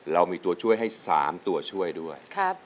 เรามีตัวช่วยให้๓ตัวช่วยด้วย